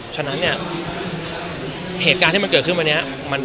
ฉะนั้นเนี่ยเหตุการณ์ที่มันเกิดขึ้นวันนี้